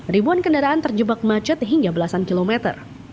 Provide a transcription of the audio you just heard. ribuan kendaraan terjebak macet hingga belasan kilometer